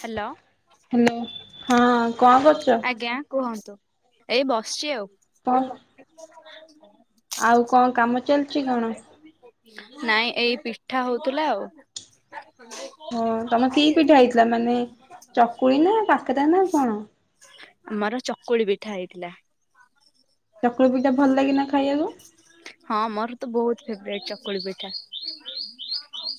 Hello. Hello ହଁ କଣ କରୁଛ ଆଜ୍ଞା କୁହନ୍ତୁ। ଏଇ ବସିଛି ଆଉ। କଣ ଆଉ କଣ କାମ ଚାଲିଛି କଣ? ନାଇଁ ଏଇ ପିଠା ହଉଥିଲା ଆଉ। ହଁ ତମେ [unintelligible] କି ପିଠା ହେଇଥିଲା ମାନେ ଚକୁଳି ନା କାକାରା ନା କଣ? ଆମର ଚକୁଳି ପିଠା ହେଇଥିଲା। ଚକୁଳି ପିଠା ଭଲ ଲାଗେନା ଖାଇବାକୁ? ହଁ ମୋର ତ ବହୁତ ଫେବରାଇଟ୍ ଚକୁଳି ପିଠା।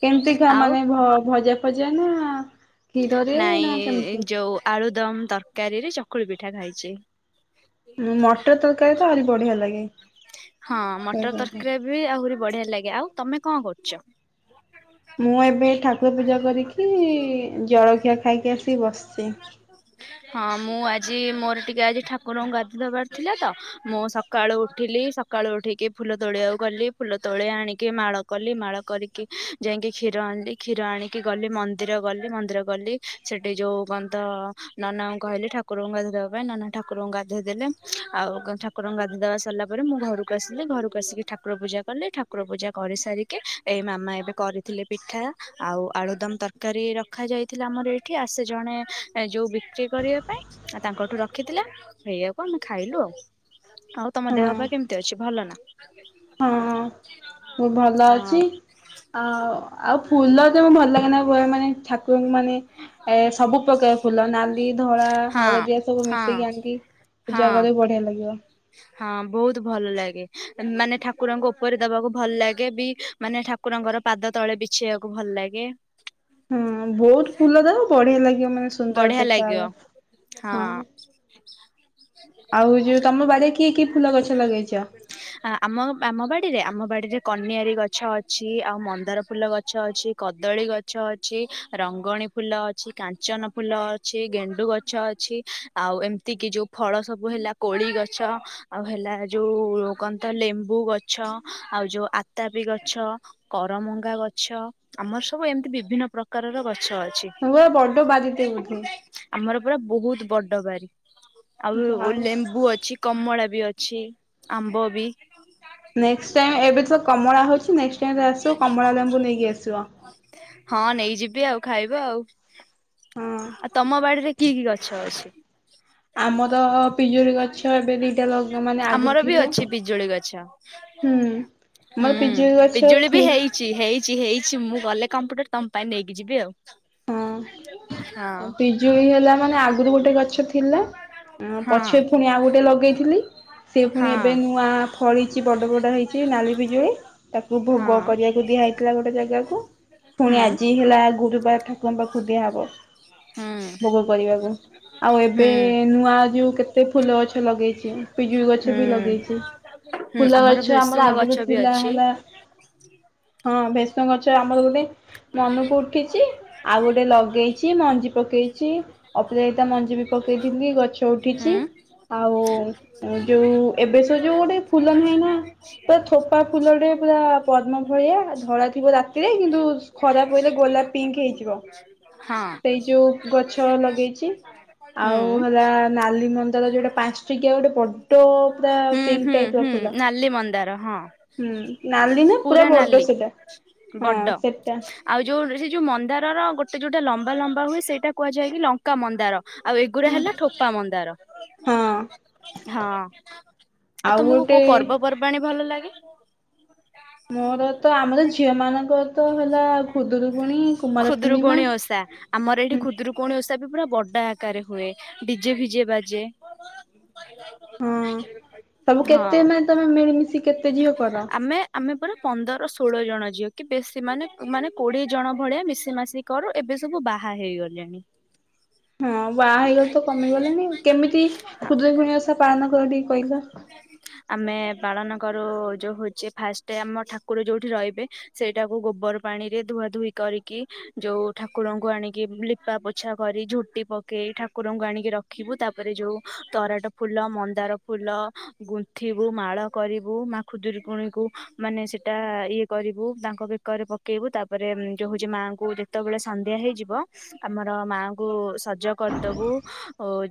କେମିତି ଖାଅ ଆଉ ମାନେ ଭ ଭଜା ଫଜା ନା କ୍ଷୀରରେ ନା କେମିତି? ଆଳୁଦମ୍ ତରକାରୀରେ ଚକୁଳି ପିଠା ଖାଇଛି। ମଟର ତରକାରୀ ତ ଆହୁରି ବଢିଆ ଲାଗେ। ହଁ ମଟର ତରକାରୀ ବି ଆହୁରି ବଢିଆ ଲାଗେ ଆଉ ତମେ କଣ କରୁଛ? ମୁଁ ଏବେ ଠାକୁର ପୂଜା କରିକି ଜଳଖିଆ ଖାଇକି ଆସିି ବସିଛି। ହଁ ମୁଁ ଆଜି ମୋର ଟିକେ ଆଜି ଠାକୁରଙ୍କୁ ଗାଧେଇ ଦବାର ଥିଲା ତ। ମୁଁ ସକାଳୁ ଉଠିଲି ସ ସକାଳୁ ଉଠିକି ଫୁଲ ତୋଳିଆକୁ ଗଲି ଫୁଲ ତୋଳି ଆଣିକି ମାଳ କଲି ମାଳ କରିକି ଯାଇକି କ୍ଷୀର ଆଣିଲି କ୍ଷୀର ଆଣିକି ଗଲି ମନ୍ଦିର ଗଲି ମନ୍ଦିର ଗଲି ସେଠି ଯୋଉ କଣ ତ ନନାଙ୍କୁ କହିଲେ ଠାକୁରଙ୍କୁ ଗାଧୋଇ ଦେବା ପାଇଁ ନନା ଠାକୁରଙ୍କୁ ଗାଧୋଇ ଦେଲେ ଆଉକଣ ତ ଠାକୁରଙ୍କୁ ଗାଧୋଇ ଦେବା ସାରିଲା ପରେ ମୁଁ ଘରକୁ ଆସିଲି ଘରକୁ ଆସିକି ଠାକୁର ପୂଜା କଲି ଠାକୁର ପୂଜା କରିସାରିକି ଏଇ ମାମା ଏବେ କରି ଥିଲେ ପିଠା ଆଉ ଆଳୁଦମ ତରକାରୀ ରଖା ଯାଇଥିଲା ଆମର ଏଇଠି ଆସେ ଜଣେ ଏ ଯୋଉ ବିକ୍ରି କରିବା ପାଇଁ ତାଙ୍କଠୁ ରଖିଥିଲା। ସେଇୟାକୁ କୁ ଆମେ ଖାଇଲୁ ଆଉ। ଆଉ ତମ ହଁ ଦେହ ପା କେମିତି ଅଛି ଭଲ ନା? ହଁ ମୁଁ ଭଲ ହଁ ଅଛି। ଆଉ ଆଉ ଫୁଲ ତ ଭଲ ଲାଗେ ନା ମାନେ ଠାକୁରଙ୍କୁ ମାନେ ଏ ସବୁ ପ୍ରକାର ଫୁଲ ନାଲି ଧଳା ହଁ ହଳଦିଆ ସବୁ ହଁ ମିଶେଇକି ଆଣିକି ହଁ ପୂଜା କରିବୁ ବଢିଆ ଲାଗିବ। ହଁ ବହୁତ ଭଲ ଲାଗେ। ମାନେ ଠାକୁରଙ୍କ ଉପରେ ଦବାକୁ ଭଲ ଲାଗେ ବି ମାନେ ଠାକୁରଙ୍କର ପାଦ ତଳେ ବିଛେଇବାକୁ ଭଲ ଲାଗେ। [inaudible] ହଁ ବହୁତ ଫୁଲ [unintelligible] ବଢିଆ ଲାଗିବ ମାନେ ସୁନ୍ଦର ବଢିଆ ଲାଗିବ ଦେଖାହବ। ହଁ। ଆଉ ଯୋଉ ତମ ବାଡିରେ କି କି ଫୁଲ ଗଛ ଲଗେଇଚ? ଆ ଆମ ଆମ ବାଡିରେ ଆମ ବାଡିରେ କନିଆରି ଗଛ ଅଛି ଆଉ ମନ୍ଦାର ଫୁଲ ଗଛ ଅଛି। କଦଳୀ ଗଛ ଅଛି ରଙ୍ଗଣୀ ଫୁଲ ଅଛି କାଞ୍ଚନ ଫୁଲ ଅଛି ଗେଣ୍ଡୁ ଗଛ ଅ ଅଛି ଆଉ ଏମିତି କି ଯୋଉ ଫଳ ସବୁ ହେଲା କୋଳି ଗଛ ଆଉ ହେଲା ଯୋଉ କନ୍ତ ଲେମ୍ବୁ ଗଛ ଆଉ ଯୋଉ ଆତାପି ଗଛ। କରମଙ୍ଗା ଗଛ ଆମର ସବୁ ଏମିତି ବିଭିନ୍ନ ପ୍ରକାରର ଗଛ ଅଛି। ତମର ବଡ଼ ବାରି ଟେ ବୋଧେ। ଆମର ପୁରା ବହୁତ ବଡ ବାରି। ଆଉ ଓ ଯାହଉ। ଲେମ୍ବୁ ଅ ଅଛି କମଳା ବି ଅଛି ଆମ୍ବ ବି। ନେକ୍ସ୍ଟ୍ ଟାଇମ ଏବେ ତ କମଳା ହଉଛି ନେକ୍ସ୍ଟ ଟାଇମ ଯେତେବେଳେ ଆସିବ କମଳା ଲେମ୍ବୁ ନେଇକି ଆସିବ। ହଁ ନେଇଯିବି ଆଉ ଖାଇବ ଆଉ। ହଁ ଆଉ ତମ ବାଡିରେ କି କି ଗଛ ଅଛି? ଆମର ପିଜୁଳି ଗଛ ଏବେ ଦିଟା ଲଗା ମାନେ ଆଗରୁ ଆମର ବି ଥିଲା। ଅଛି ପିଜୁଳି ଗଛ। ହୁଁ। ମୋ ପିଜୁଳି ଗଛ [unintelligible] ଛି ହେଇଛି ହେଇଛି ମୁଁ ଗଲେ କମ୍ପ୍ୟୁଟର ତମ ପାଇଁ ନେଇକି ଯିବି ଆଉ। ହଁ [unintelligible] ପିଜୁଳି ହେଲା ମାନେ ଆଗରୁ ଗୋଟେ ଗଛ ଥିଲା। ଉଁ ହଁ ପଛେ ଫୁଣି ଆଉ ଗୋଟେ ଲଗେଇଥିଲି। ସେ ଫୁଣି ହଁ ଏବେ ନୂଆ ଫଳିଛି ବଡ଼ ବଡ଼ ହେଇଛି ନାଲି ବିଜୁଳି ତାକୁ ଭୋଗ ହଁ କରିଆ ଦିଆ ହେଇଥିଲା ଗୋଟେ ଜାଗାକୁ ହୁଁ ପୁଣି ଆଜି ହେଲା ଗୁରୁବାର ଠାକୁରଙ୍କ ପାଖକୁ ଦିଆ ହବ। ହୁଁ ଭୋଗ କରିବାକୁ। ଆଉ ଏବେ ହୁଁ। ନୂଆ ଯୋଉ କେତେ ଫୁଲ ଗଛ ଲଗେଇଛି। ପିଜୁଳି ଗଛ ହୁଁ ବି ଲଗେଇଛି। ହୁଁ ଫୁଲ ଗଛ ଆମର ଭେସୁଙ୍ଗା ଗଛ ଆଗରୁ ବି ଥିଲା। ଅଛି। ହେଲା ହଁ ଭେଷଙ୍ଗ ଗଛ ଆମର ଗୋଟେ ମନକୁ ଉଠିଛି। ଆଉ ଗୋଟେ ଲଗେଇଛି ମଞ୍ଜି ପକେଇଛି। ଅପଜିତା ମଞ୍ଜି ବି ପକେଇଥିଲି ଗଛ ହୁଁ। ଉଠିଛି। ଆଉ ଯୋଉ ଏବେ ସବୁ ଯୋଉ ଗୋଟେ ଫୁଲ ନାହିଁ ନା ପୁରା ଥୋପା ଫୁଲେଟେ ପୁରା ପଦ୍ମ ଭଳିଆ ଧଳା ଥିବ ରାତିରେ କିନ୍ତୁ ଖରା ପଇଲେ ଗୋଲାପ ପିଙ୍କ୍ ହେଇଯିବ। [inaudible] ସେଇ ଯୋଉ ଗଛ ଲଗେଇଛି। ଆଉ ହେଲା ନାଲି ମନ୍ଦାର ଯୋଉଟା ପାଞ୍ଚ ଟିକିଆ ଗୋଟେ ବଡ ପୁରା ହୁଁ ପିଙ୍କ ହୁଁ ଟାଇପର ହୁଁ ଫୁଲ। ନାଲି ମନ୍ଦାର ହଁ ହୁଁ ନାଲିି ନା ପୁରା ବଡ ସେଟା? ହଁ ବଡ। ସେଟା ଆଉ ଯୋଉ ସେ ଯୋଉ ମନ୍ଦାରର ଗୋଟେ ଯୋଉଟା ଲମ୍ବା ଲମ୍ବା ହୁଏ। ସେଇଟା କୁହାଯାଏ କି ଲଙ୍କା ମନ୍ଦାର। ଆଉ ଏଗୁଡ଼ା ହେଲା ଠୋପା ମନ୍ଦାର। ହଁ ହଁ। ଆଉ ଆଉ ତମକୁ ଗୋଟେ କୋଉ ପର୍ବପର୍ବାଣିୀ ଭଲ ଲାଗେ? ମୋର ତ ଆମର ଝିଅ ମାନଙ୍କର ତ ହେଲା ଖୁଦୁରୁକୁୁଣୀ, କୁମାର ଖୁଦୁରୁକୁଣୀ ପୂର୍ଣ୍ଣିମା। ଓଷା। ଆମର ଏଠି ହୁଁ ଖୁଦୂରୁକୁଣି ଓଷା ବି ପୁରା ବଡ ଆକାରରେ ହୁଏ। ଡିଜେ ଫିଜେ ବାଜେ। [unintelligible] ହୁଁ? ସବୁ ହଁ। କେତେ ମାନେ ତମେ ମିଳିମିଶି କେତେ ଝିଅ କର? ଆମେ ଆମେ ପୁରା ପନ୍ଦର ଷୋଳ ଜଣ ଝଅ କି ବେସି ସେମାନେ ମାନେ କୋଡିଏ ଜଣ ଭଳିଆ ମିଶିମାସିକି କରୁ ଏବେ ସବୁ ବାହା ହେଇଗଲେଣି। ହଁ ବାହା ହେଇଗଲେ ତ କମିଗଲାଣି। କେମିତି ଖୁଦୁରୁକୁଣୀ ଓଷା ପାଳନ କରନ୍ତି ଟିକେ କହିଲ? ଆମେ ପାଳନ କରୁ ଯୋଉ ହଉଛି ଫାଷ୍ଟ ଆମ ଠାକୁର ଯୋଉଠି ରହିବେ ସେ ଟାକୁ ଗୋବର ପାଣି ରେ ଧୁଆ ଧୁଇ କରିକି ଯୋଉ ଠାକୁରଙ୍କୁ ଆଣିକି ଲିପା ପୋଛା କରି। ଝୁଟି ପକେଇ। ଠାକୁରଙ୍କୁ ଆଣିକି ରଖ ରଖିବୁ। ତାପରେ ଯୋଉ ତରାଟ ଫୁଲ, ମନ୍ଦାର ଫୁଲ ଗୁନ୍ଥିବୁ ମାଳ କରିବୁ। ମା ଖୁଦୁରୁକୁଣୀକୁ ମାନେ ସେଟା ଇଏ କରିବୁ। ଦା ତାଙ୍କ ବେକରେ ପକାଇବୁ। ତାପରେ ଯୋଉ ହୋଉଛି ମାଆଙ୍କୁ ଯେତେବେଳେ ସନ୍ଧ୍ୟା ହେଇଯିବ ଆମର ମାଙ୍କୁ ସଜ କରିଦବୁ।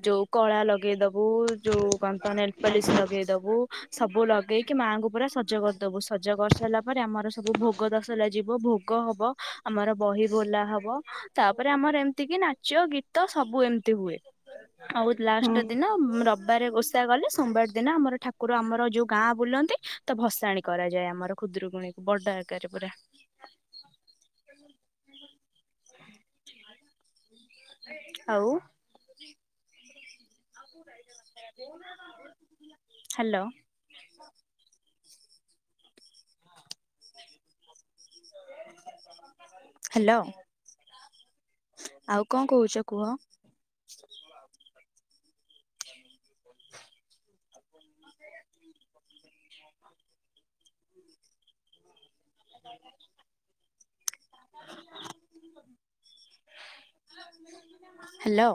ଯୋଉ କଳା ଲଗେଇଦବୁ। ଯୋଉ କନ୍ତ ନେଲ୍ପଲିସ ଲଗେଇ ଦବୁ। ସବୁ ଲଗେଇକି ମାଆଙ୍କୁ ପୁରା ସଜ କରିଦ ଦବୁ ସଜ କରିସାରିଲା ପରେ ଆମର ସବୁ ଭୋ ଭୋଗ ତଶଲା ଯିବ। ଭୋଗ ହବ। ଆମର ବହି ବୋଲା ହବ। ତାପରେ ଆମର ଏମିତି କି ନାଚ ଗୀତ ତ ସବୁ ଏମିତି ହୁଏ। ଆଉ ଲାଷ୍ଟ ହଁ ଦିନ ରବିବାରେ ଓଷା [unintelligible] ଗଲେ। ସୋମବାର ଦିନ ଆମର ଠାକୁର ଆମର ଯୋଉ ଗାଁ ବୁଲନ୍ତି। ତ ଭସାଣି କରାଯାଏ ଆମର ଖୁଦରୁକୁଣୀ। ବଡ ଆକାରରେ ପୁରା। ଆଉ? ହାଲୋ। [unintelligible] ଆ [inaudible] [unintelligible] ହାଲୋ ଆଉ କଣ କହୁଛ କୁହ? [inaudible] [inaudible] ଆ [inaudible] ହାଲୋ।